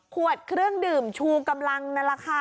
ขวดเครื่องดื่มชูกำลังนั่นแหละค่ะ